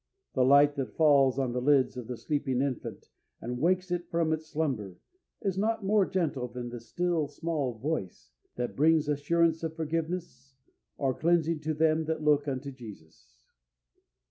The light that falls on the lids of the sleeping infant and wakes it from its slumber, is not more gentle than the "still small voice" that brings assurance of forgiveness or cleansing to them that look unto Jesus.